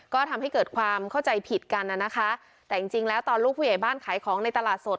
ก็ทำให้เกิดความเข้าใจผิดกันน่ะนะคะแต่จริงจริงแล้วตอนลูกผู้ใหญ่บ้านขายของในตลาดสด